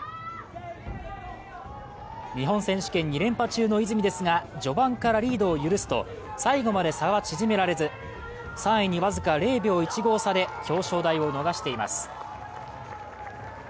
日本選手権２連覇中の泉ですが、序盤からリードを許すと、最後まで差は縮められず、３位に僅か０秒１５差で表彰台を逃しています。